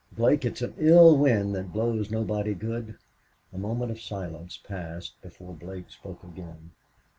"Blake, it's an ill wind that blows nobody good." A moment of silence passed before Blake spoke again.